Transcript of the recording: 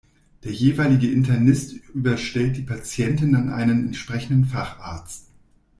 Der jeweilige Internist überstellt die Patientin an einen entsprechenden Facharzt.